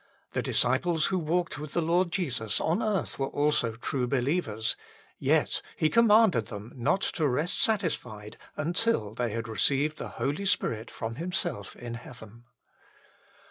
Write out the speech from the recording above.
The disciples who walked with the Lord Jesus on earth were also true believers, yet He commanded them not to rest satisfied until they had received the Holy Spirit from Himself in heaven.